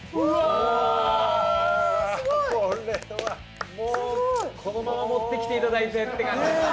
おおこれはもうこのまま持ってきていただいてって感じですね